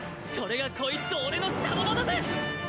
それがこいつと俺のシャドバだぜ！